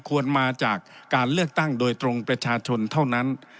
มาจากการเลือกตั้งโดยตรงประชาชนเท่านั้น